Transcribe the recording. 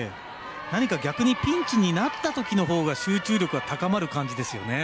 逆にピンチになったときのほうが集中力が高まる感じですよね。